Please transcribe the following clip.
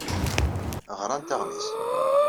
Ɣrant aɣmis.